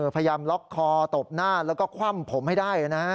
พยายามล็อกคอตบหน้าแล้วก็คว่ำผมให้ได้นะ